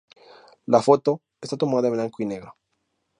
La foto está tomada en blanco y negro.